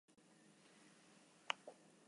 Goitik behera itxuraldatu du taldea zuzendaritzak.